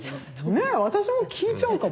ねえ私も聞いちゃうかも。